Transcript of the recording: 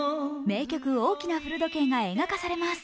名曲、「大きな古時計」が映画化されます。